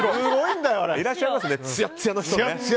いらっしゃいますねつやつやの人ね。